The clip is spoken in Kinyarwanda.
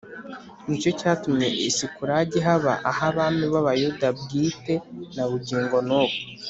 ni cyo cyatumye i sikulagi haba ah’abami b’abayuda bwite na bugingo n’ubu